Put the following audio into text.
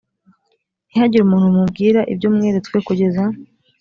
ntihagire umuntu mubwira ibyo mweretswe kugeza